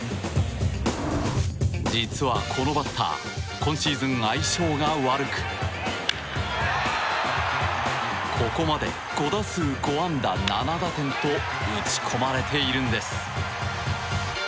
実はこのバッター今シーズン相性が悪くここまで５打数５安打７打点と打ち込まれているんです。